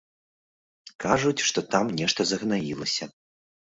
Кажуць, што там нешта загнаілася.